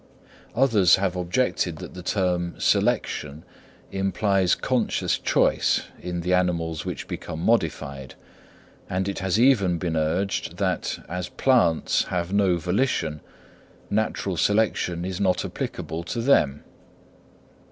Others have objected that the term selection implies conscious choice in the animals which become modified; and it has even been urged that, as plants have no volition, natural selection is not applicable to them!